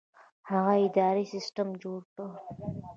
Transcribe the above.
هغه اداري سیستم جوړ کړ.